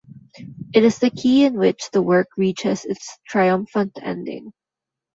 It is the key in which the work reaches its triumphant ending.